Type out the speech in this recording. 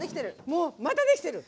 もうまたできてる！